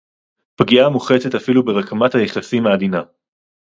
פגיעה מוחצת אפילו ברקמת היחסים העדינה